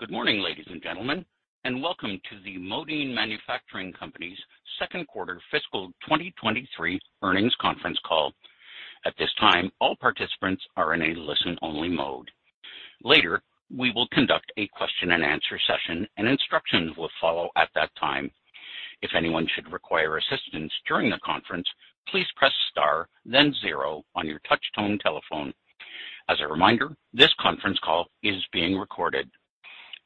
Good morning, ladies and gentlemen, and welcome to the Modine Manufacturing Company's Second Quarter Fiscal 2023 Earnings Conference Call. At this time, all participants are in a listen-only mode. Later, we will conduct a question-and-answer session, and instructions will follow at that time. If anyone should require assistance during the conference, please press star then zero on your touchtone telephone. As a reminder, this conference is being recorded.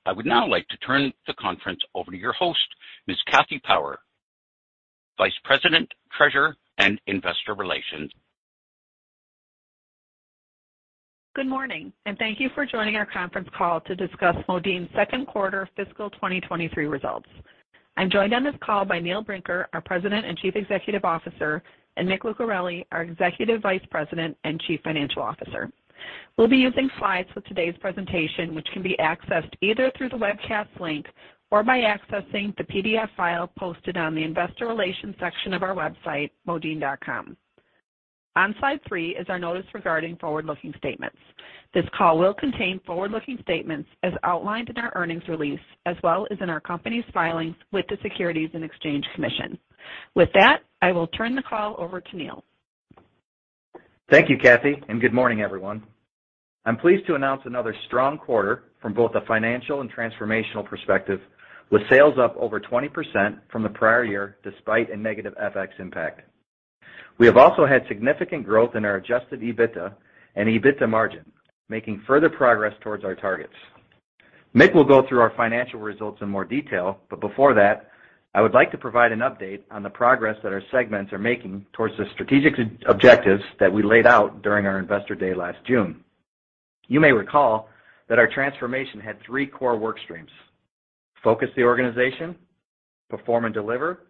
I would now like to turn the conference over to your host, Ms. Kathy Powers, Vice President, Treasurer, and Investor Relations. Good morning, and thank you for joining our conference call to discuss Modine's second quarter fiscal 2023 results. I'm joined on this call by Neil Brinker, our President and Chief Executive Officer, and Mick Lucareli, our Executive Vice President and Chief Financial Officer. We'll be using slides for today's presentation, which can be accessed either through the webcast link or by accessing the PDF file posted on the investor relations section of our website, modine.com. On slide three is our notice regarding forward-looking statements. This call will contain forward-looking statements as outlined in our earnings release, as well as in our company's filings with the Securities and Exchange Commission. With that, I will turn the call over to Neil. Thank you, Kathy, and good morning, everyone. I'm pleased to announce another strong quarter from both a financial and transformational perspective, with sales up over 20% from the prior year despite a negative FX impact. We have also had significant growth in our adjusted EBITDA and EBITDA margin, making further progress towards our targets. Mick will go through our financial results in more detail, but before that, I would like to provide an update on the progress that our segments are making towards the strategic objectives that we laid out during our Investor Day last June. You may recall that our transformation had three core work streams, focus the organization, perform and deliver,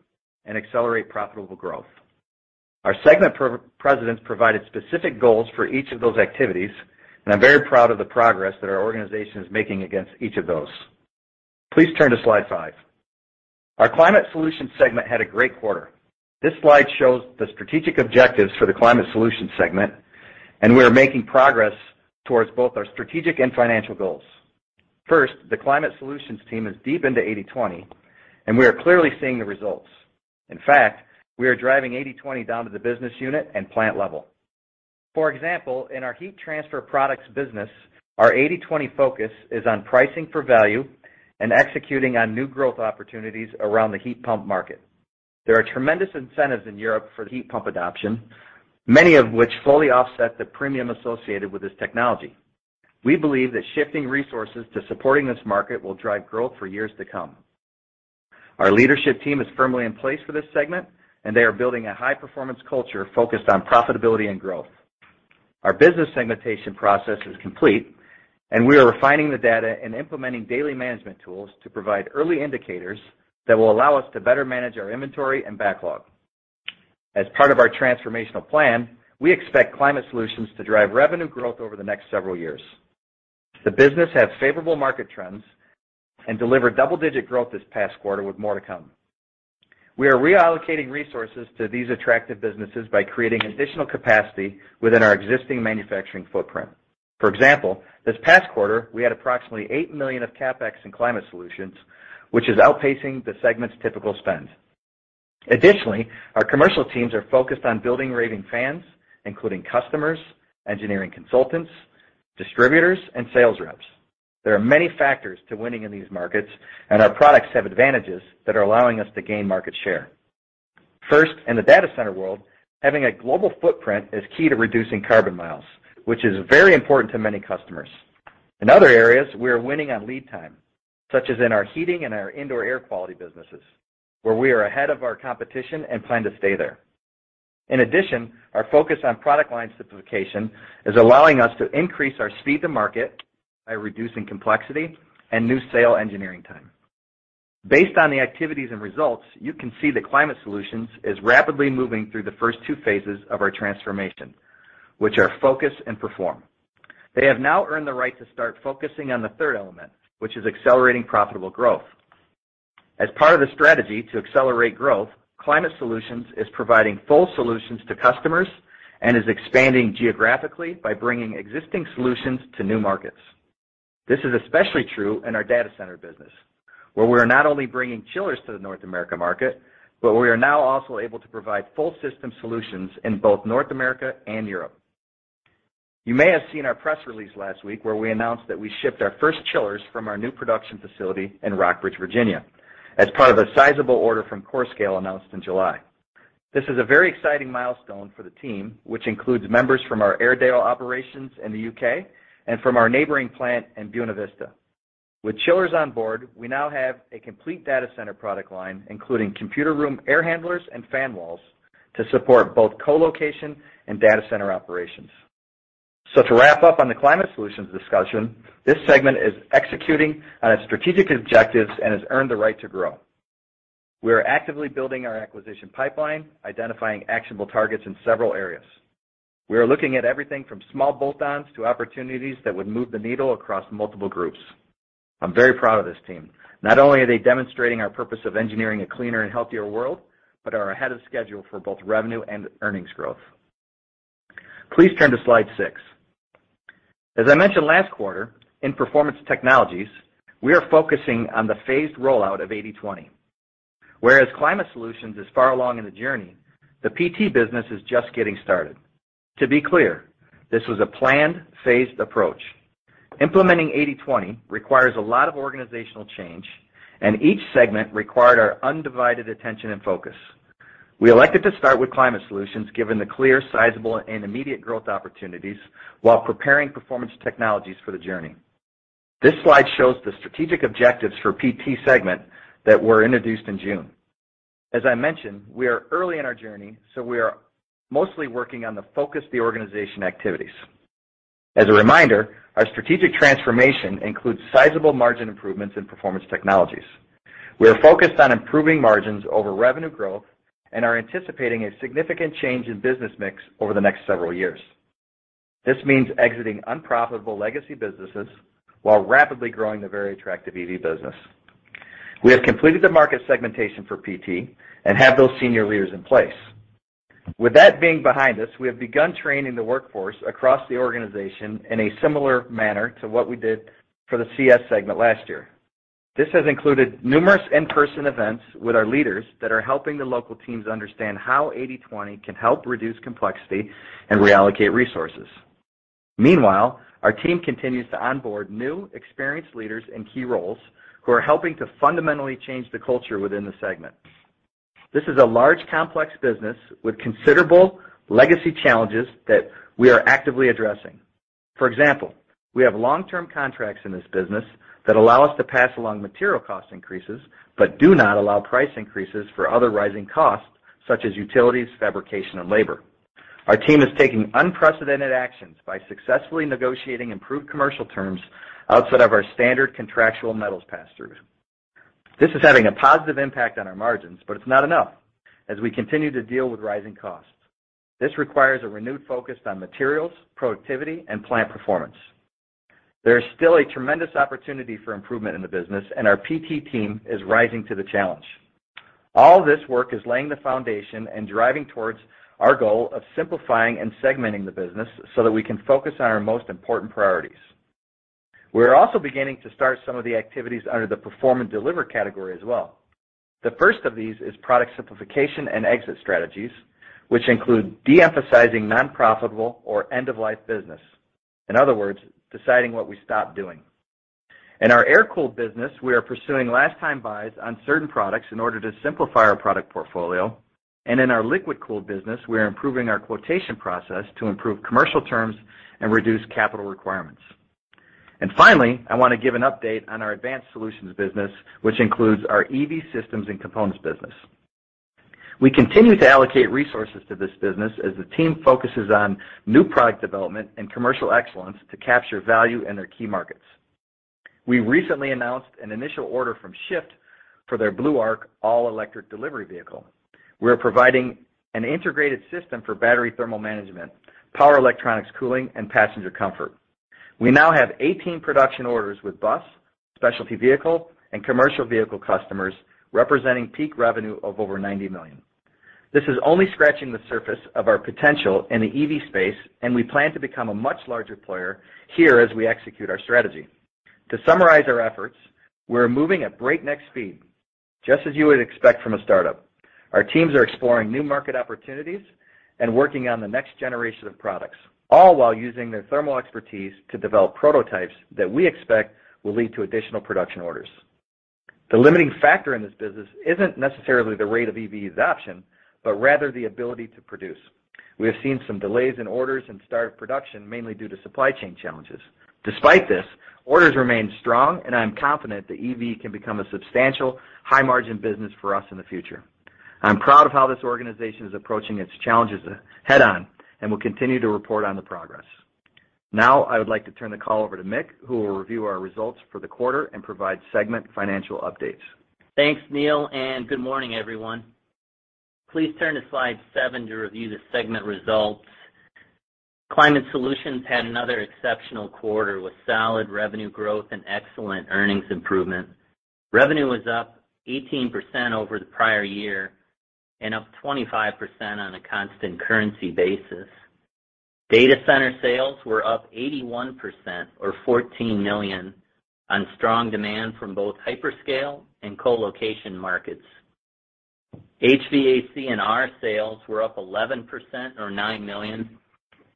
and accelerate profitable growth. Our segment presidents provided specific goals for each of those activities, and I'm very proud of the progress that our organization is making against each of those. Please turn to slide five. Our Climate Solutions segment had a great quarter. This slide shows the strategic objectives for the Climate Solutions segment, and we are making progress towards both our strategic and financial goals. First, the Climate Solutions team is deep into 80/20, and we are clearly seeing the results. In fact, we are driving 80/20 down to the business unit and plant level. For example, in our heat transfer products business, our 80/20 focus is on pricing for value and executing on new growth opportunities around the heat pump market. There are tremendous incentives in Europe for heat pump adoption, many of which fully offset the premium associated with this technology. We believe that shifting resources to supporting this market will drive growth for years to come. Our leadership team is firmly in place for this segment, and they are building a high-performance culture focused on profitability and growth. Our business segmentation process is complete, and we are refining the data and implementing daily management tools to provide early indicators that will allow us to better manage our inventory and backlog. As part of our transformational plan, we expect Climate Solutions to drive revenue growth over the next several years. The business has favorable market trends and delivered double-digit growth this past quarter with more to come. We are reallocating resources to these attractive businesses by creating additional capacity within our existing manufacturing footprint. For example, this past quarter, we had approximately $8 million of CapEx in Climate Solutions, which is outpacing the segment's typical spend. Additionally, our commercial teams are focused on building raving fans, including customers, engineering consultants, distributors, and sales reps. There are many factors to winning in these markets, and our products have advantages that are allowing us to gain market share. First, in the data center world, having a global footprint is key to reducing carbon miles, which is very important to many customers. In other areas, we are winning on lead time, such as in our heating and our indoor air quality businesses, where we are ahead of our competition and plan to stay there. In addition, our focus on product line simplification is allowing us to increase our speed to market by reducing complexity and new sale engineering time. Based on the activities and results, you can see that Climate Solutions is rapidly moving through the first two phases of our transformation, which are focus and perform. They have now earned the right to start focusing on the third element, which is accelerating profitable growth. As part of the strategy to accelerate growth, Climate Solutions is providing full solutions to customers and is expanding geographically by bringing existing solutions to new markets. This is especially true in our data center business, where we're not only bringing chillers to the North America market, but we are now also able to provide full system solutions in both North America and Europe. You may have seen our press release last week where we announced that we shipped our first chillers from our new production facility in Rockbridge, Virginia, as part of a sizable order from Corscale announced in July. This is a very exciting milestone for the team, which includes members from our Airedale operations in the U.K. and from our neighboring plant in Buena Vista. With chillers on board, we now have a complete data center product line, including Computer Room Air Handlers and fan walls, to support both co-location and data center operations. To wrap up on the Climate Solutions discussion, this segment is executing on its strategic objectives and has earned the right to grow. We are actively building our acquisition pipeline, identifying actionable targets in several areas. We are looking at everything from small bolt-ons to opportunities that would move the needle across multiple groups. I'm very proud of this team. Not only are they demonstrating our purpose of engineering a cleaner and healthier world, but are ahead of schedule for both revenue and earnings growth. Please turn to slide six. As I mentioned last quarter, in Performance Technologies, we are focusing on the phased rollout of 80/20. Climate Solutions is far along in the journey, the PT business is just getting started. To be clear, this was a planned phased approach. Implementing 80/20 requires a lot of organizational change, and each segment required our undivided attention and focus. We elected to start with Climate Solutions given the clear, sizable, and immediate growth opportunities while preparing Performance Technologies for the journey. This slide shows the strategic objectives for PT segment that were introduced in June. As I mentioned, we are early in our journey, so we are mostly working on focusing the organization activities. As a reminder, our strategic transformation includes sizable margin improvements in Performance Technologies. We are focused on improving margins over revenue growth and are anticipating a significant change in business mix over the next several years. This means exiting unprofitable legacy businesses while rapidly growing the very attractive EV business. We have completed the market segmentation for PT and have those senior leaders in place. With that being behind us, we have begun training the workforce across the organization in a similar manner to what we did for the CS segment last year. This has included numerous in-person events with our leaders that are helping the local teams understand how 80/20 can help reduce complexity and reallocate resources. Meanwhile, our team continues to onboard new experienced leaders in key roles who are helping to fundamentally change the culture within the segment. This is a large, complex business with considerable legacy challenges that we are actively addressing. For example, we have long-term contracts in this business that allow us to pass along material cost increases, but do not allow price increases for other rising costs, such as utilities, fabrication, and labor. Our team is taking unprecedented actions by successfully negotiating improved commercial terms outside of our standard contractual metals pass-through. This is having a positive impact on our margins, but it's not enough as we continue to deal with rising costs. This requires a renewed focus on materials, productivity, and plant performance. There is still a tremendous opportunity for improvement in the business, and our PT team is rising to the challenge. All this work is laying the foundation and driving towards our goal of simplifying and segmenting the business so that we can focus on our most important priorities. We're also beginning to start some of the activities under the perform and deliver category as well. The first of these is product simplification and exit strategies, which include de-emphasizing non-profitable or end-of-life business. In other words, deciding what we stop doing. In our Air-Cooled Business, we are pursuing last-time buys on certain products in order to simplify our product portfolio, and in our Liquid-Cooled Business, we are improving our quotation process to improve commercial terms and reduce capital requirements. Finally, I wanna give an update on our Advanced Solutions business, which includes our EV systems and components business. We continue to allocate resources to this business as the team focuses on new product development and commercial excellence to capture value in their key markets. We recently announced an initial order from The Shyft Group for their Blue Arc all-electric delivery vehicle. We're providing an integrated system for battery thermal management, power electronics cooling, and passenger comfort. We now have 18 production orders with bus, specialty vehicle, and commercial vehicle customers, representing peak revenue of over $90 million. This is only scratching the surface of our potential in the EV space, and we plan to become a much larger player here as we execute our strategy. To summarize our efforts, we're moving at breakneck speed, just as you would expect from a startup. Our teams are exploring new market opportunities and working on the next generation of products, all while using their thermal expertise to develop prototypes that we expect will lead to additional production orders. The limiting factor in this business isn't necessarily the rate of EV adoption, but rather the ability to produce. We have seen some delays in orders and start of production mainly due to supply chain challenges. Despite this, orders remain strong and I am confident that EV can become a substantial high-margin business for us in the future. I'm proud of how this organization is approaching its challenges head on and will continue to report on the progress. Now, I would like to turn the call over to Mick, who will review our results for the quarter and provide segment financial updates. Thanks, Neil, and good morning, everyone. Please turn to slide seven to review the segment results. Climate Solutions had another exceptional quarter with solid revenue growth and excellent earnings improvement. Revenue was up 18% over the prior year and up 25% on a constant currency basis. Data center sales were up 81% or $14 million on strong demand from both hyperscale and colocation markets. HVAC&R sales were up 11% or $9 million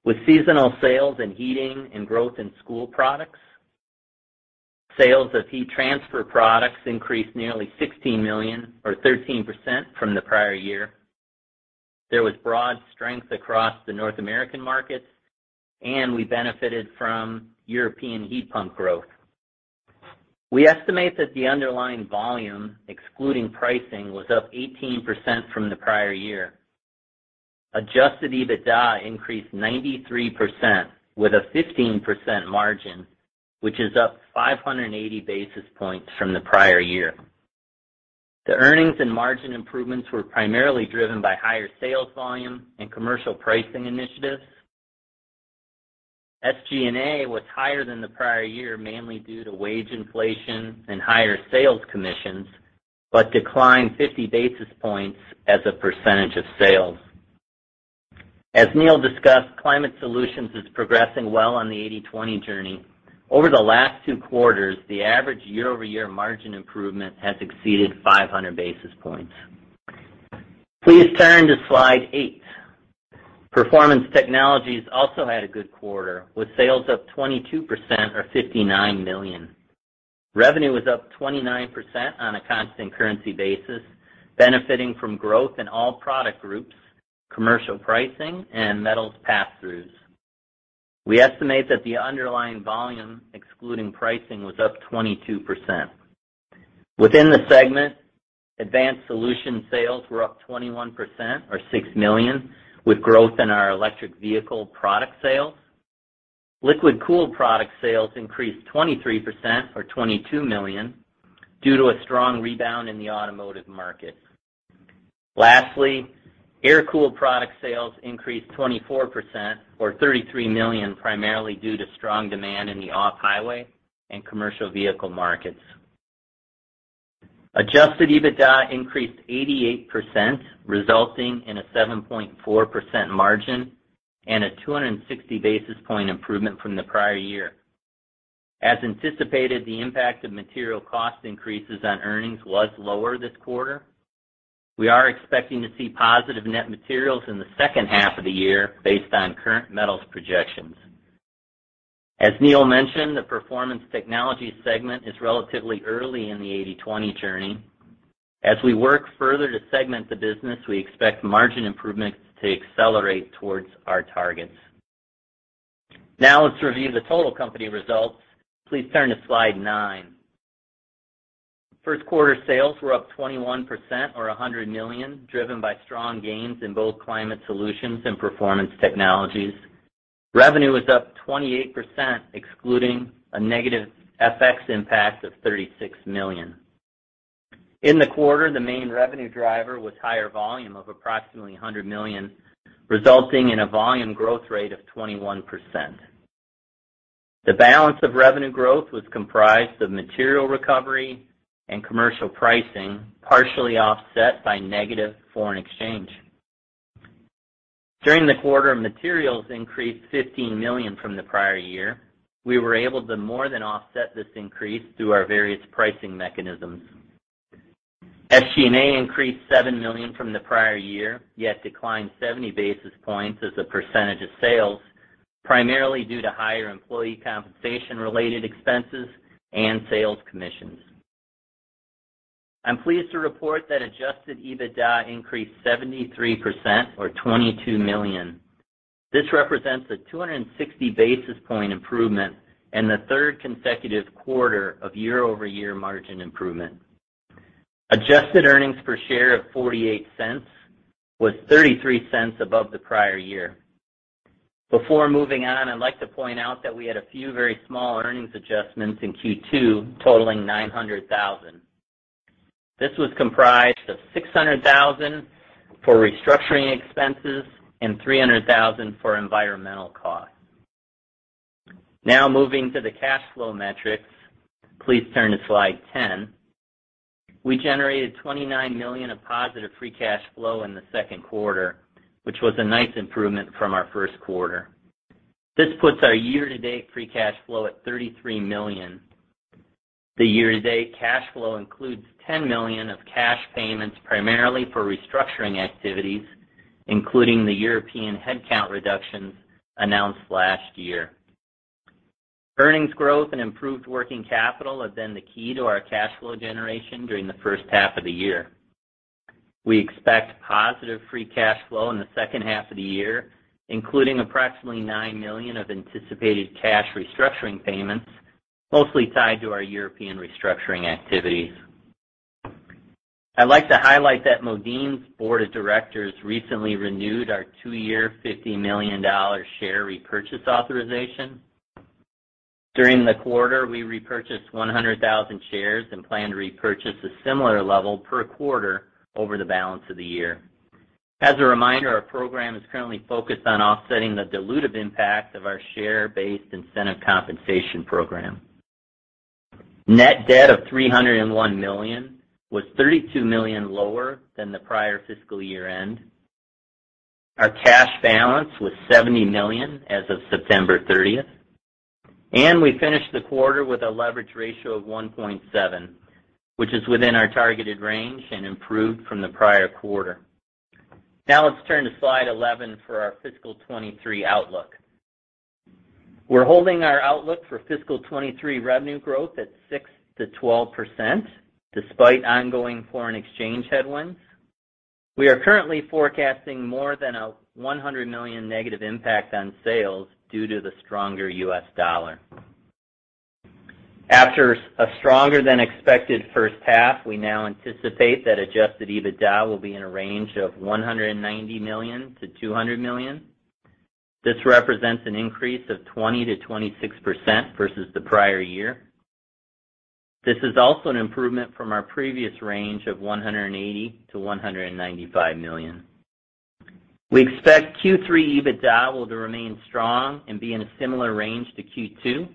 with seasonal sales in heating and growth in school products. Sales of heat transfer products increased nearly $16 million or 13% from the prior year. There was broad strength across the North American markets, and we benefited from European heat pump growth. We estimate that the underlying volume, excluding pricing, was up 18% from the prior year. Adjusted EBITDA increased 93% with a 15% margin, which is up 580 basis points from the prior year. The earnings and margin improvements were primarily driven by higher sales volume and commercial pricing initiatives. SG&A was higher than the prior year, mainly due to wage inflation and higher sales commissions, but declined 50 basis points as a percentage of sales. As Neil discussed, Climate Solutions is progressing well on the 80/20 journey. Over the last two quarters, the average year-over-year margin improvement has exceeded 500 basis points. Please turn to slide eight. Performance Technologies also had a good quarter, with sales up 22% or $59 million. Revenue was up 29% on a constant currency basis, benefiting from growth in all product groups, commercial pricing, and metals passthroughs. We estimate that the underlying volume, excluding pricing, was up 22%. Within the segment, Advanced Solutions sales were up 21% or $6 million, with growth in our electric vehicle product sales. Liquid-Cooled product sales increased 23% or $22 million due to a strong rebound in the automotive market. Lastly, Air-Cooled product sales increased 24% or $33 million primarily due to strong demand in the off-highway and commercial vehicle markets. Adjusted EBITDA increased 88%, resulting in a 7.4% margin and a 260 basis point improvement from the prior year. As anticipated, the impact of material cost increases on earnings was lower this quarter. We are expecting to see positive net materials in the second half of the year based on current metals projections. As Neil mentioned, the Performance Technologies segment is relatively early in the 80/20 journey. As we work further to segment the business, we expect margin improvements to accelerate towards our targets. Now let's review the total company results. Please turn to slide nine. First quarter sales were up 21% or $100 million, driven by strong gains in both Climate Solutions and Performance Technologies. Revenue was up 28%, excluding a negative FX impact of $36 million. In the quarter, the main revenue driver was higher volume of approximately $100 million, resulting in a volume growth rate of 21%. The balance of revenue growth was comprised of material recovery and commercial pricing, partially offset by negative foreign exchange. During the quarter, materials increased $15 million from the prior year. We were able to more than offset this increase through our various pricing mechanisms. SG&A increased $7 million from the prior year, yet declined 70 basis points as a percentage of sales, primarily due to higher employee compensation related expenses and sales commissions. I'm pleased to report that adjusted EBITDA increased 73% or $22 million. This represents a 260 basis point improvement and the third consecutive quarter of year-over-year margin improvement. Adjusted earnings per share of $0.48 was $0.33 above the prior year. Before moving on, I'd like to point out that we had a few very small earnings adjustments in Q2 totaling $900,000. This was comprised of $600,000 for restructuring expenses and $300,000 for environmental costs. Now moving to the cash flow metrics, please turn to slide 10. We generated $29 million of positive free cash flow in the second quarter, which was a nice improvement from our first quarter. This puts our year-to-date free cash flow at $33 million. The year-to-date cash flow includes $10 million of cash payments primarily for restructuring activities, including the European headcount reductions announced last year. Earnings growth and improved working capital have been the key to our cash flow generation during the first half of the year. We expect positive free cash flow in the second half of the year, including approximately $9 million of anticipated cash restructuring payments, mostly tied to our European restructuring activities. I'd like to highlight that Modine's Board of Directors recently renewed our two-year $50 million share repurchase authorization. During the quarter, we repurchased 100,000 shares and plan to repurchase a similar level per quarter over the balance of the year. As a reminder, our program is currently focused on offsetting the dilutive impact of our share-based incentive compensation program. Net debt of $301 million was $32 million lower than the prior fiscal year-end. Our cash balance was $70 million as of September 30th, and we finished the quarter with a leverage ratio of 1.7, which is within our targeted range and improved from the prior quarter. Now let's turn to slide 11 for our fiscal 2023 outlook. We're holding our outlook for fiscal 2023 revenue growth at 6%-12% despite ongoing foreign exchange headwinds. We are currently forecasting more than $100 million negative impact on sales due to the stronger U.S. dollar. After a stronger than expected first half, we now anticipate that adjusted EBITDA will be in a range of $190 million-$200 million. This represents an increase of 20%-26% versus the prior year. This is also an improvement from our previous range of $180 million-$195 million. We expect Q3 EBITDA will remain strong and be in a similar range to Q2,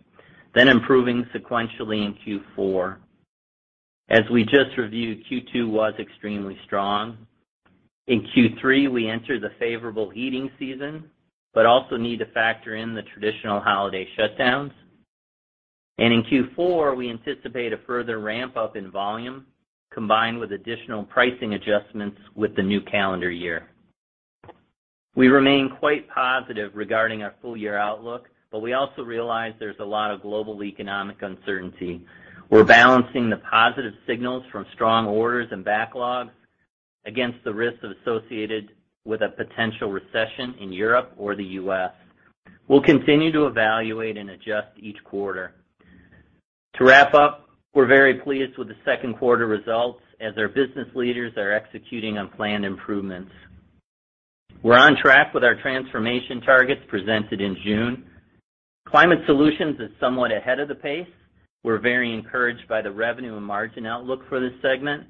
then improving sequentially in Q4. As we just reviewed, Q2 was extremely strong. In Q3, we entered the favorable heating season, but also need to factor in the traditional holiday shutdowns. In Q4, we anticipate a further ramp up in volume combined with additional pricing adjustments with the new calendar year. We remain quite positive regarding our full year outlook, but we also realize there's a lot of global economic uncertainty. We're balancing the positive signals from strong orders and backlogs against the risks associated with a potential recession in Europe or the U.S. We'll continue to evaluate and adjust each quarter. To wrap up, we're very pleased with the second quarter results as our business leaders are executing on planned improvements. We're on track with our transformation targets presented in June. Climate Solutions is somewhat ahead of the pace. We're very encouraged by the revenue and margin outlook for this segment.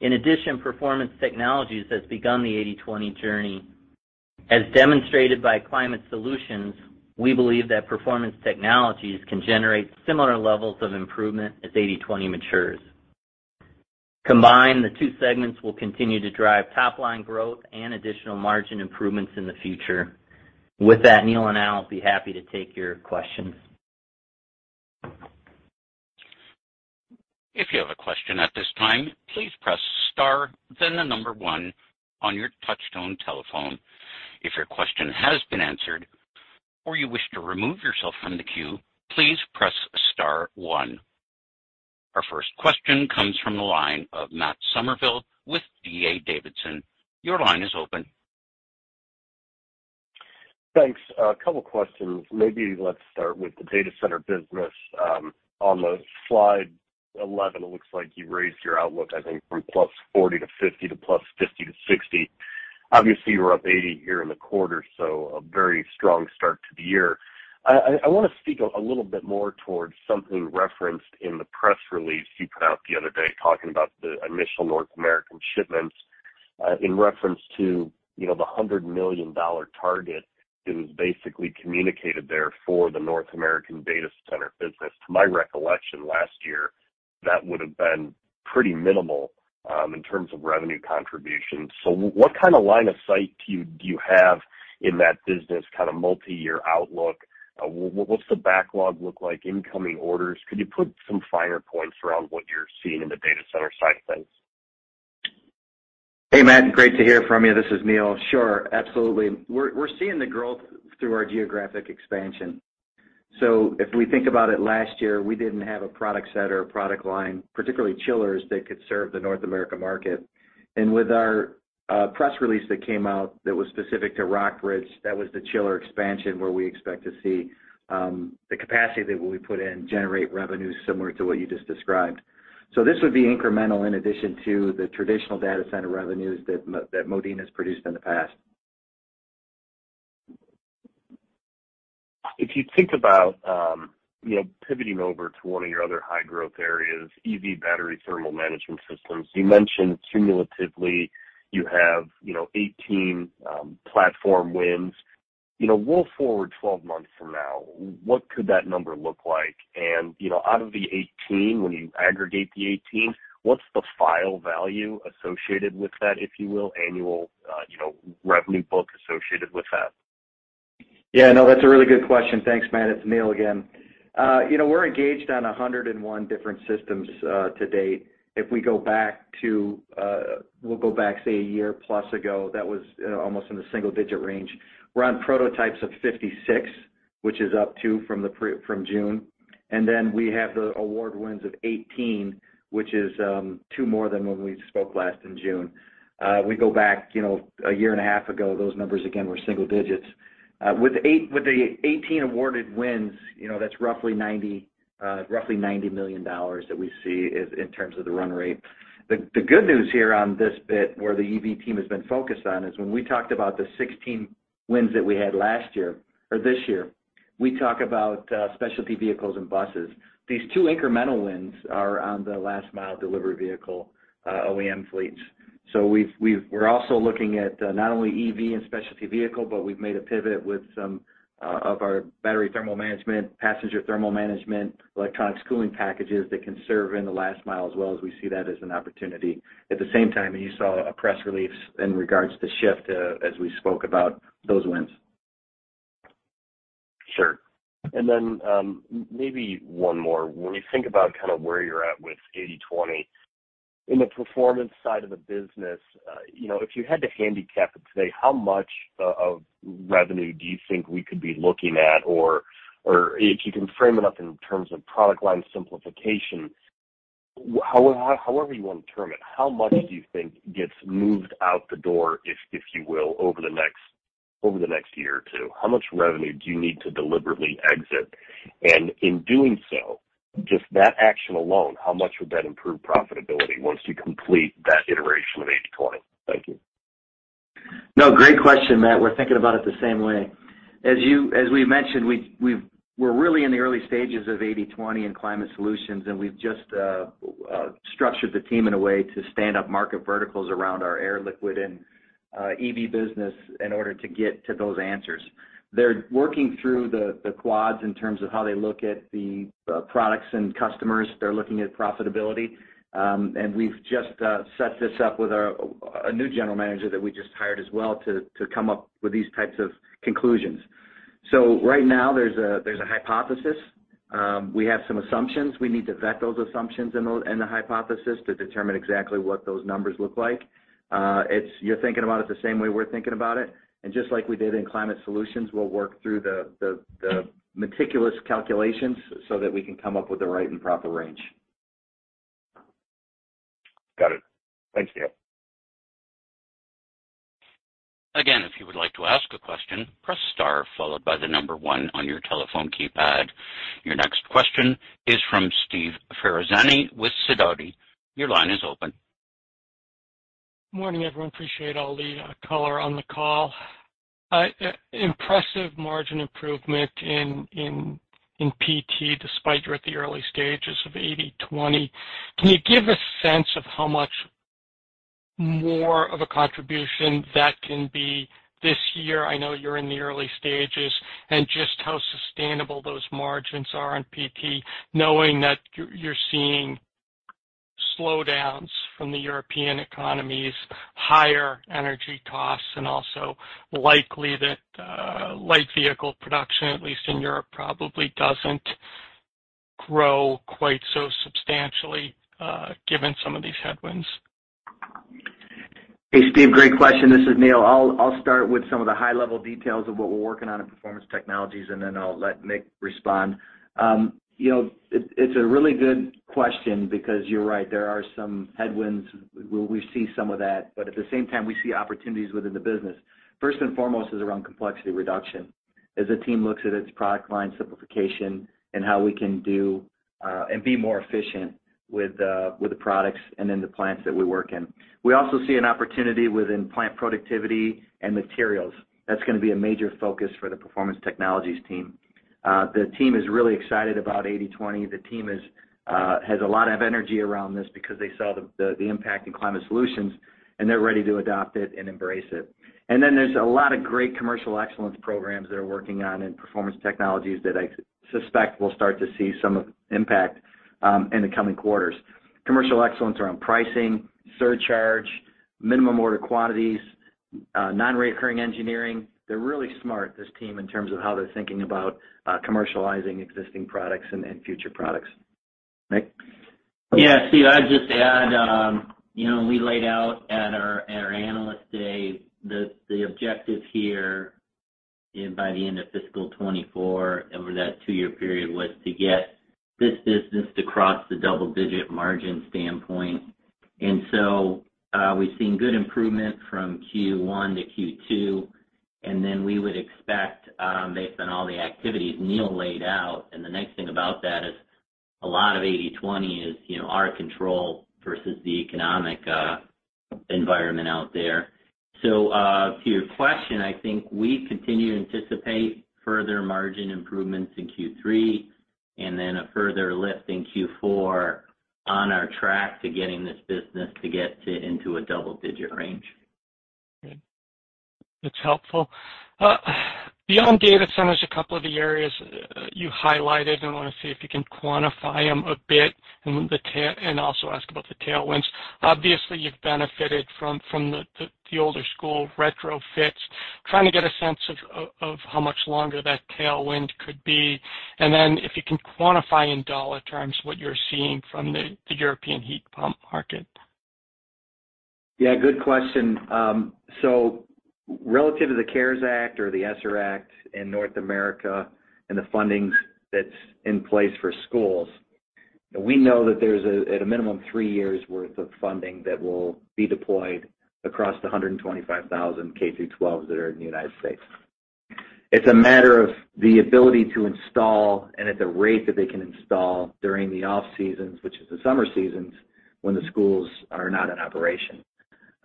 In addition, Performance Technologies has begun the 80/20 journey. As demonstrated by Climate Solutions, we believe that Performance Technologies can generate similar levels of improvement as 80/20 matures. Combined, the two segments will continue to drive top line growth and additional margin improvements in the future. With that, Neil and I'll be happy to take your questions. If you have a question at this time, please press star, then the number one on your touchtone telephone. If your question has been answered or you wish to remove yourself from the queue, please press star one. Our first question comes from the line of Matt Summerville with D.A. Davidson. Your line is open. Thanks. A couple questions. Maybe let's start with the data center business. On the slide 11, it looks like you raised your outlook, I think from +40%-50% to +50%-60%. Obviously, you were up 80% here in the quarter, so a very strong start to the year. I wanna speak a little bit more towards something referenced in the press release you put out the other day talking about the initial North American shipments in reference to, you know, the $100 million target that was basically communicated there for the North American data center business. To my recollection last year, that would have been pretty minimal in terms of revenue contributions. So what kind of line of sight do you have in that business kind of multi-year outlook? What's the backlog look like, incoming orders? Could you put some finer points around what you're seeing in the data center side of things? Hey, Matt. Great to hear from you. This is Neil. Sure. Absolutely. We're seeing the growth through our geographic expansion. If we think about it last year, we didn't have a product set or a product line, particularly chillers that could serve the North America market. With our press release that came out that was specific to Rockbridge, that was the chiller expansion where we expect to see the capacity that we put in generate revenues similar to what you just described. This would be incremental in addition to the traditional data center revenues that Modine has produced in the past. If you think about pivoting over to one of your other high growth areas, EV battery thermal management systems, you mentioned cumulatively you have 18 platform wins. You know, roll forward 12 months from now, what could that number look like? And, you know, out of the 18, when you aggregate the 18, what's the lifetime value associated with that, if you will, annual revenue book associated with that? Yeah. No, that's a really good question. Thanks, Matt. It's Neil again. You know, we're engaged on 101 different systems to date. If we go back, say, a year plus ago, that was almost in the single digit range. We're on prototypes of 56, which is up two from June. Then we have the award wins of 18, which is two more than when we spoke last in June. We go back, you know, a year and a half ago, those numbers again were single digits. With the 18 awarded wins, you know, that's roughly $90 million that we see is in terms of the run rate. The good news here on this bit where the EV team has been focused on is when we talked about the 16 wins that we had last year or this year. We talk about specialty vehicles and buses. These two incremental wins are on the last mile delivery vehicle OEM fleets. We're also looking at not only EV and specialty vehicle, but we've made a pivot with some of our battery thermal management, passenger thermal management, electronics cooling packages that can serve in the last mile as well as we see that as an opportunity. At the same time, you saw a press release in regards to Shyft as we spoke about those wins. Sure. Maybe one more. When you think about kind of where you're at with 80/20, in the performance side of the business, you know, if you had to handicap it today, how much of revenue do you think we could be looking at? Or if you can frame it up in terms of product line simplification, how, however you wanna term it, how much do you think gets moved out the door, if you will, over the next year or two? How much revenue do you need to deliberately exit? And in doing so, just that action alone, how much would that improve profitability once you complete that iteration of 80/20? Thank you. No, great question, Matt. We're thinking about it the same way. As we mentioned, we're really in the early stages of 80/20 in Climate Solutions, and we've just structured the team in a way to stand up market verticals around our air liquid and EV business in order to get to those answers. They're working through the quads in terms of how they look at the products and customers. They're looking at profitability. We've just set this up with our a new general manager that we just hired as well to come up with these types of conclusions. Right now, there's a hypothesis. We have some assumptions. We need to vet those assumptions and the hypothesis to determine exactly what those numbers look like. You're thinking about it the same way we're thinking about it. Just like we did in Climate Solutions, we'll work through the meticulous calculations so that we can come up with the right and proper range. Got it. Thanks, Neil. Again, if you would like to ask a question, press star followed by the number one on your telephone keypad. Your next question is from Steve Ferazani with Sidoti. Your line is open. Morning, everyone. Appreciate all the color on the call. Impressive margin improvement in PT despite you're at the early stages of 80/20. Can you give a sense of how much more of a contribution that can be this year? I know you're in the early stages. Just how sustainable those margins are in PT, knowing that you're seeing slowdowns from the European economies, higher energy costs, and also likely that light vehicle production, at least in Europe, probably doesn't grow quite so substantially, given some of these headwinds. Hey, Steve, great question. This is Neil. I'll start with some of the high-level details of what we're working on at Performance Technologies, and then I'll let Mick respond. You know, it's a really good question because you're right, there are some headwinds. We see some of that, but at the same time, we see opportunities within the business. First and foremost is around complexity reduction. As the team looks at its product line simplification and how we can do and be more efficient with the products and in the plants that we work in. We also see an opportunity within plant productivity and materials. That's gonna be a major focus for the Performance Technologies team. The team is really excited about 80/20. The team has a lot of energy around this because they saw the impact in Climate Solutions, and they're ready to adopt it and embrace it. There's a lot of great commercial excellence programs they're working on in Performance Technologies that I suspect we'll start to see some impact in the coming quarters. Commercial excellence around pricing, surcharge, minimum order quantities, non-recurring engineering. They're really smart, this team, in terms of how they're thinking about commercializing existing products and future products. Mick? Yeah. Steve, I'd just add, you know, we laid out at our Analyst Day the objective here and by the end of fiscal 2024 over that two-year period was to get this business to cross the double-digit margin standpoint. We've seen good improvement from Q1 to Q2, and then we would expect based on all the activities Neil laid out. The nice thing about that is a lot of 80/20 is, you know, our control versus the economic environment out there. To your question, I think we continue to anticipate further margin improvements in Q3 and then a further lift in Q4 on our track to getting this business into a double-digit range. Okay. That's helpful. Beyond data centers, a couple of the areas you highlighted, I wanna see if you can quantify them a bit and also ask about the tailwinds. Obviously, you've benefited from the older school retrofits. Trying to get a sense of how much longer that tailwind could be. Then if you can quantify in dollar terms what you're seeing from the European heat pump market. Yeah, good question. So relative to the CARES Act or the ESSER Act in North America and the funding that's in place for schools, we know that there's a, at a minimum, three years worth of funding that will be deployed across the 125,000 K-12 that are in the United States. It's a matter of the ability to install and at the rate that they can install during the off-seasons, which is the summer seasons when the schools are not in operation.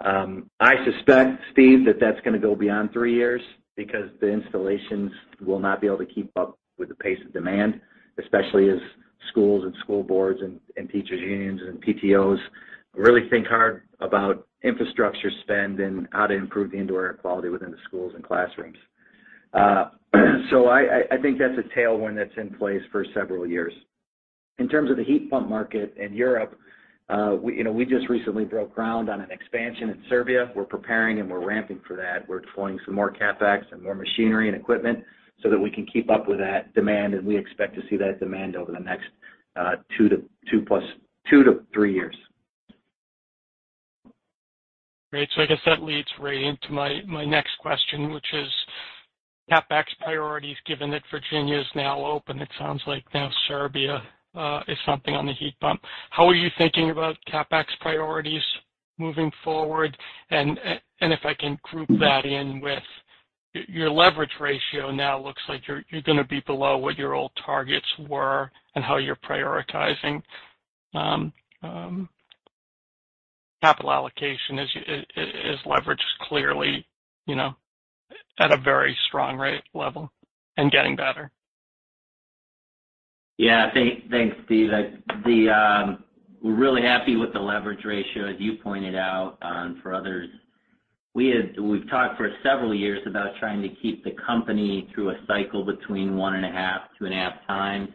I suspect, Steve, that that's gonna go beyond three years because the installations will not be able to keep up with the pace of demand, especially as schools and school boards and teachers unions and PTOs really think hard about infrastructure spend and how to improve the indoor air quality within the schools and classrooms. I think that's a tailwind that's in place for several years. In terms of the heat pump market in Europe, we, you know, we just recently broke ground on an expansion in Serbia. We're preparing and we're ramping for that. We're deploying some more CapEx and more machinery and equipment so that we can keep up with that demand, and we expect to see that demand over the next two to three years. Great. I guess that leads right into my next question, which is CapEx priorities, given that Virginia is now open. It sounds like now Serbia is something on the heat pump. How are you thinking about CapEx priorities moving forward? And if I can group that in with Your leverage ratio now looks like you're gonna be below what your old targets were and how you're prioritizing capital allocation. Is leverage clearly, you know, at a very strong rate level and getting better? Yeah. Thanks, Steve. We're really happy with the leverage ratio, as you pointed out, for others. We've talked for several years about trying to keep the company through a cycle between 1.5x-2.5x,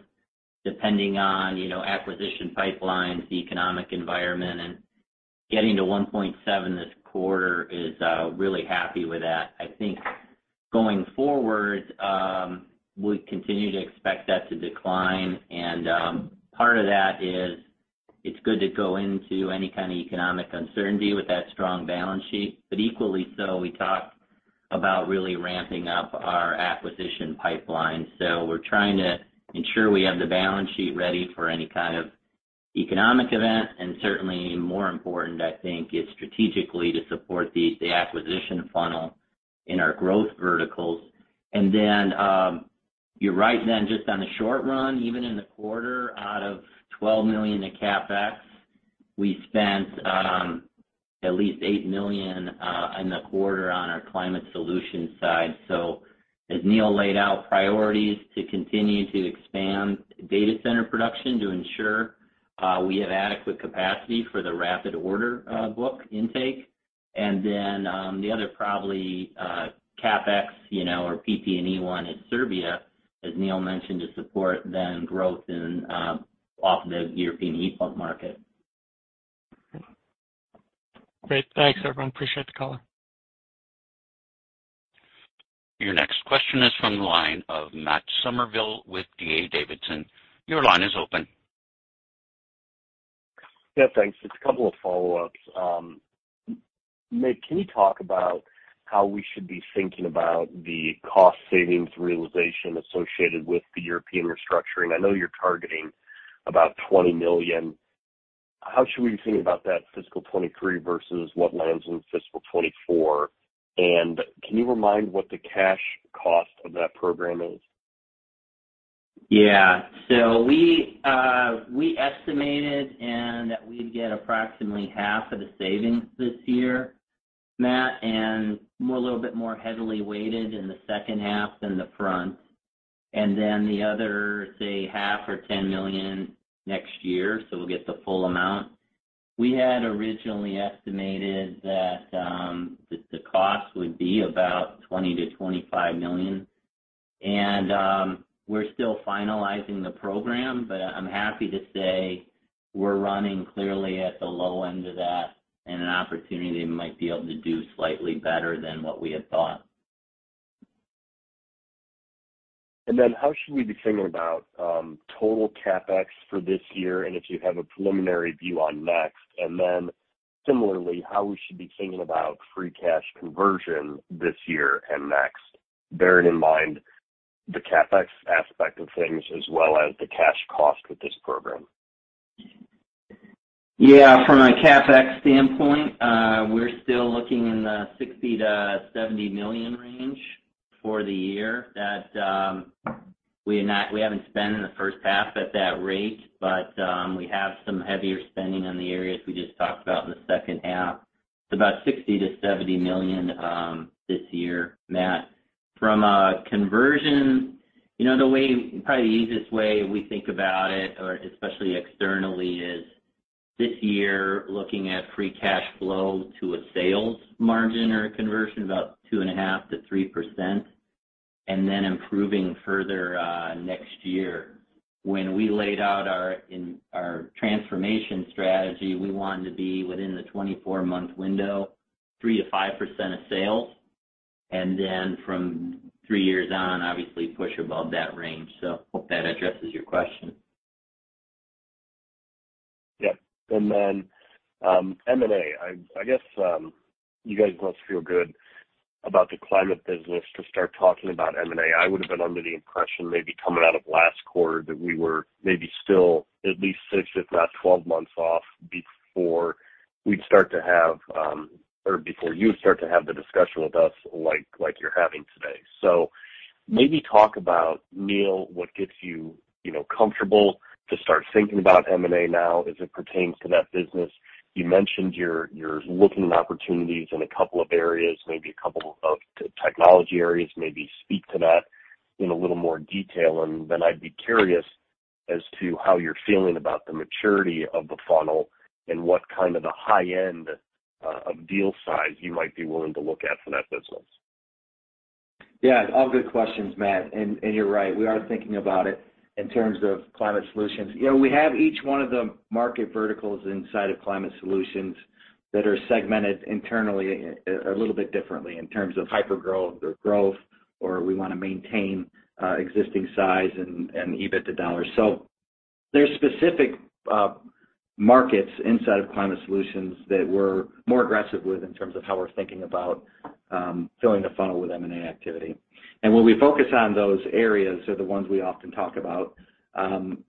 depending on, you know, acquisition pipelines, the economic environment, and getting to 1.7 this quarter is really happy with that. I think going forward, we continue to expect that to decline and part of that is it's good to go into any kind of economic uncertainty with that strong balance sheet. Equally so, we talked about really ramping up our acquisition pipeline. We're trying to ensure we have the balance sheet ready for any kind of economic event, and certainly more important, I think, is strategically to support the acquisition funnel in our growth verticals. You're right then just on the short run, even in the quarter out of $12 million in CapEx, we spent at least $8 million in the quarter on our Climate Solutions side. As Neil laid out priorities to continue to expand data center production to ensure we have adequate capacity for the rapid order book intake. The other probably CapEx, you know, or PP&E one is Serbia, as Neil mentioned, to support then growth in off the European e-pump market. Great. Thanks, everyone. Appreciate the call. Your next question is from the line of Matt Summerville with D.A. Davidson. Your line is open. Yeah, thanks. Just a couple of follow-ups. Mick, can you talk about how we should be thinking about the cost savings realization associated with the European restructuring? I know you're targeting about $20 million. How should we think about that fiscal 2023 versus what lands in fiscal 2024? And can you remind what the cash cost of that program is? Yeah. We estimated that we'd get approximately half of the savings this year, Matt, and more, a little bit more heavily weighted in the second half than the front. The other, say, half or $10 million next year, so we'll get the full amount. We had originally estimated that the cost would be about $20-$25 million. We're still finalizing the program, but I'm happy to say we're running clearly at the low end of that and an opportunity might be able to do slightly better than what we had thought. How should we be thinking about total CapEx for this year, and if you have a preliminary view on next? Similarly, how should we be thinking about free cash conversion this year and next, bearing in mind the CapEx aspect of things as well as the cash cost of this program? Yeah. From a CapEx standpoint, we're still looking in the $60 million-$70 million range for the year. That we haven't spent in the first half at that rate, but we have some heavier spending on the areas we just talked about in the second half. It's about $60 million-$70 million this year, Matt. From a conversion, you know, probably the easiest way we think about it or especially externally is this year looking at free cash flow to a sales margin or a conversion about 2.5%-3%, and then improving further next year. When we laid out our transformation strategy, we wanted to be within the 24-month window, 3%-5% of sales. From three years on, obviously push above that range. Hope that addresses your question. Yeah. Then M&A. I guess you guys must feel good about the climate business to start talking about M&A. I would've been under the impression maybe coming out of last quarter that we were maybe still at least six if not 12 months off before we'd start to have or before you start to have the discussion with us like you're having today. Maybe talk about, Neil, what gets you know, comfortable to start thinking about M&A now as it pertains to that business. You mentioned you're looking at opportunities in a couple of areas, maybe a couple of technology areas. Maybe speak to that in a little more detail. I'd be curious as to how you're feeling about the maturity of the funnel and what kind of the high end of deal size you might be willing to look at for that business. Yeah. All good questions, Matt. You're right. We are thinking about it in terms of Climate Solutions. You know, we have each one of the market verticals inside of Climate Solutions that are segmented internally a little bit differently in terms of hypergrowth or growth, or we wanna maintain existing size and EBITDA dollars. There's specific markets inside of Climate Solutions that we're more aggressive with in terms of how we're thinking about filling the funnel with M&A activity. When we focus on those areas, they're the ones we often talk about,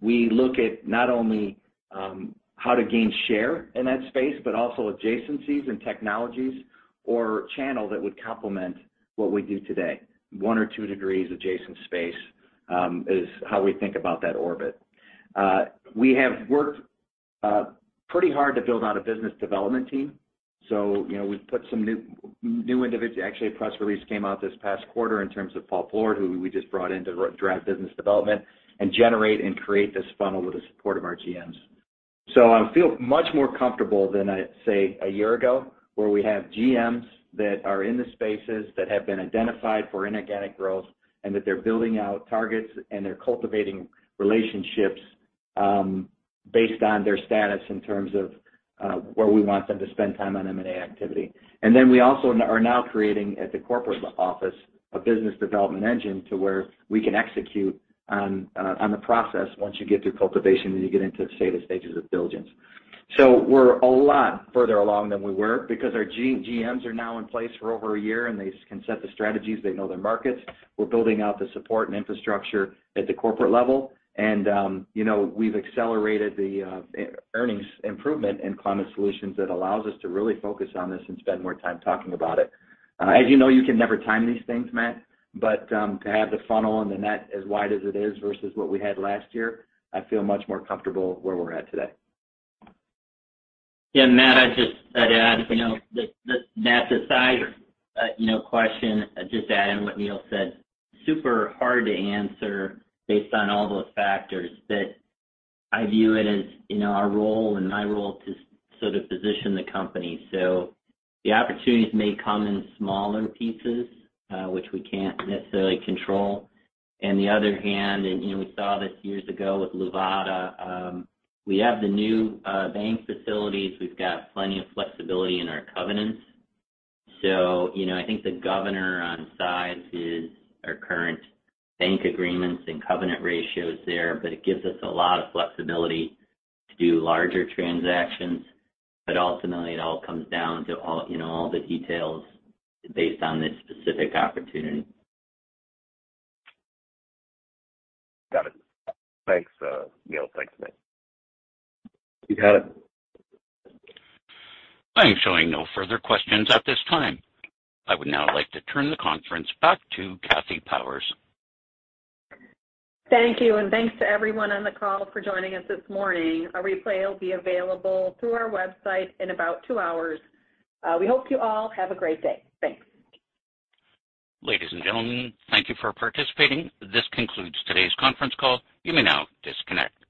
we look at not only how to gain share in that space, but also adjacencies and technologies or channel that would complement what we do today. One or two degrees adjacent space is how we think about that orbit. We have worked pretty hard to build out a business development team. So, you know, actually, a press release came out this past quarter in terms of Paul Plourde, who we just brought in to drive business development and generate and create this funnel with the support of our GMs. I feel much more comfortable than say a year ago, where we have GMs that are in the spaces that have been identified for inorganic growth and that they're building out targets and they're cultivating relationships based on their status in terms of where we want them to spend time on M&A activity. We also are now creating at the corporate office a business development engine to where we can execute on the process once you get through cultivation and you get into say the stages of diligence. We're a lot further along than we were because our GMs are now in place for over a year, and they can set the strategies. They know their markets. We're building out the support and infrastructure at the corporate level. You know, we've accelerated the earnings improvement in Climate Solutions that allows us to really focus on this and spend more time talking about it. As you know, you can never time these things, Matt, but to have the funnel and the net as wide as it is versus what we had last year, I feel much more comfortable where we're at today. Yeah, Matt, I'd just add, you know, that aside, just to add on what Neil said, super hard to answer based on all those factors that I view it as, you know, our role and my role to sort of position the company. The opportunities may come in smaller pieces, which we can't necessarily control. On the other hand, you know, we saw this years ago with Luvata, we have the new bank facilities. We've got plenty of flexibility in our covenants. You know, I think the governor on size is our current bank agreements and covenant ratios there, but it gives us a lot of flexibility to do larger transactions. Ultimately, it all comes down to, you know, all the details based on the specific opportunity. Got it. Thanks, Neil. Thanks, Mick. You got it. I am showing no further questions at this time. I would now like to turn the conference back to Kathy Powers. Thank you, and thanks to everyone on the call for joining us this morning. A replay will be available through our website in about two hours. We hope you all have a great day. Thanks. Ladies and gentlemen, thank you for participating. This concludes today's conference call. You may now disconnect.